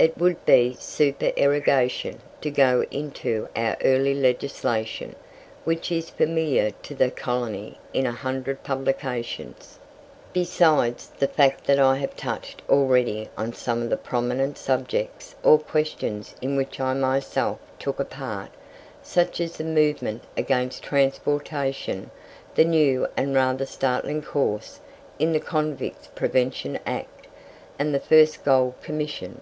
It would be "supererogation" to go into our early legislation, which is familiar to the colony in a hundred publications, besides the fact that I have touched already on some of the prominent subjects or questions in which I myself took a part, such as the movement against transportation, the new and rather startling course in "The Convicts Prevention Act," and the first Gold Commission.